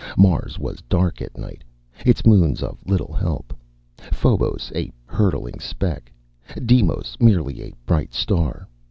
Mars was dark at night, its moons of little help Phobos a hurtling speck, Deimos merely a bright star.